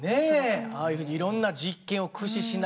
ああいうふうにいろんな実験を駆使しながらね。